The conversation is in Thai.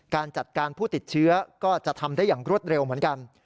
การจัดการผู้ติดเชื้อก็จะทำได้อย่างรวดเร็วเหมือนกัน